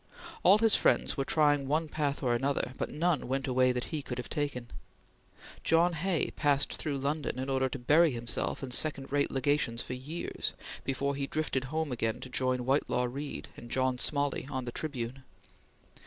All his friends were trying one path or another, but none went a way that he could have taken. John Hay passed through London in order to bury himself in second rate Legations for years, before he drifted home again to join Whitelaw Reid and George Smalley on the Tribune.